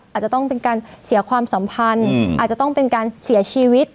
อาจจะต้องเป็นการเสียความสัมพันธ์อาจจะต้องเป็นการเสียชีวิต